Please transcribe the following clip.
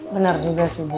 bener juga sih bu